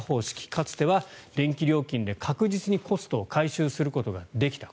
かつては電気料金で確実にコストを回収することができた。